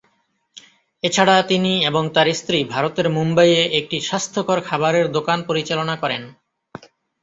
এছাড়া তিনি এবং তার স্ত্রী ভারতের মুম্বাইয়ে একটি স্বাস্থ্যকর খাবারের দোকান পরিচালনা করেন।